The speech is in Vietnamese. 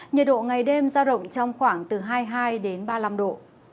nhiệt độ ngày đêm giao động trong khoảng từ hai mươi hai đến ba mươi năm độ